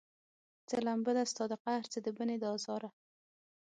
څه لمبه ده ستا د قهر، څه د بني د ازاره